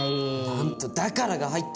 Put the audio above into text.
なんと「だから」が入った。